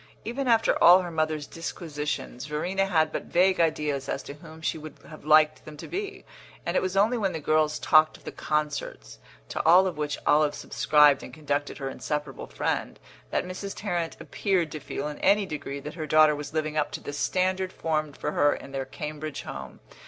Even after all her mother's disquisitions Verena had but vague ideas as to whom she would have liked them to be; and it was only when the girl talked of the concerts, to all of which Olive subscribed and conducted her inseparable friend, that Mrs. Tarrant appeared to feel in any degree that her daughter was living up to the standard formed for her in their Cambridge home.